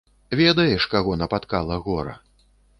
Ведаеш, каго напаткала гора.